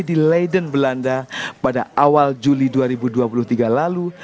di leiden belanda pada awal juli dua ribu dua puluh tiga lalu